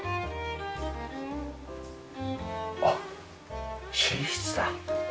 あっ寝室だ。